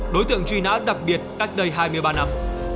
đối tượng truy nã đặc biệt cách đây hai mươi ba năm